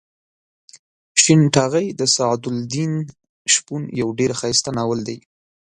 شین ټاغۍ د سعد الدین شپون یو ډېر ښایسته ناول دی.